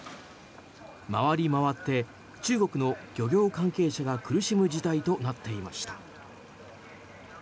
回り回って、中国の漁業関係者が苦しむ事態となっていました。